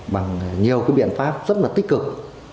bằng nhiều biện pháp rất tích cực